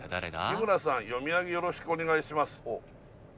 「日村さん読み上げよろしくお願いします」